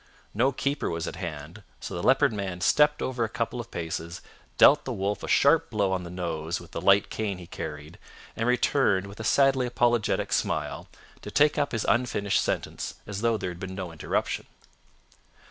No keeper was at hand, so the Leopard Man stepped over a couple of paces, dealt the wolf a sharp blow on the nose with the light cane he carried, and returned with a sadly apologetic smile to take up his unfinished sentence as though there had been no interruption.